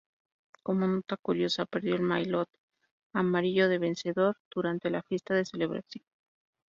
Como nota curiosa, perdió el maillot amarillo de vencedor durante la fiesta de celebración.